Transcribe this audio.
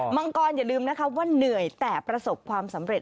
มังกรอย่าลืมนะคะว่าเหนื่อยแต่ประสบความสำเร็จ